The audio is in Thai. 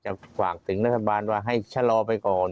ฝากถึงรัฐบาลว่าให้ชะลอไปก่อน